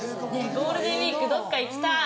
ゴールデンウイークどっか行きたい！